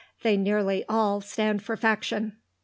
They nearly all stand for faction."